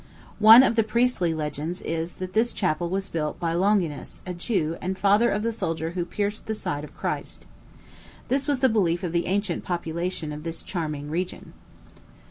One of the priestly legends is that this chapel was built by Longinus, a Jew, and father of the soldier who pierced the side of Christ. This was the belief of the ancient population of this charming region.